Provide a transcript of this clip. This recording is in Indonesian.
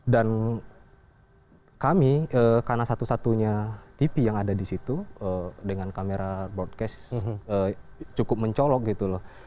dan kami karena satu satunya tv yang ada di situ dengan kamera broadcast cukup mencolok gitu loh